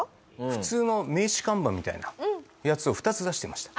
普通の名刺看板みたいなやつを２つ出していました。